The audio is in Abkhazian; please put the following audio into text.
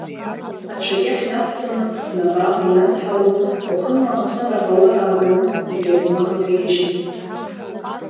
Аҽы акьахь нақәҵаны, наҟ-ааҟ инадҳало, уахынла мацара аҟауар ааганы, убри аӡмах иҭаижьит.